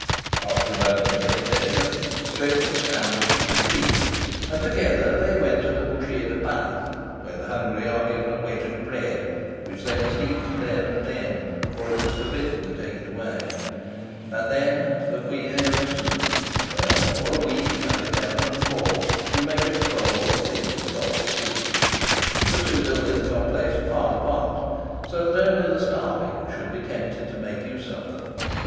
After a moment's hesitation, Strickland scrambled to his feet, and together they went to the Bouchee de Pain, where the hungry are given a wedge of bread, which they must eat there and then, for it is forbidden to take it away; and then to the Cuillere de Soupe, where for a week, at eleven and four, you may get a bowl of thin, salt soup. The two buildings are placed far apart, so that only the starving should be tempted to make use of them.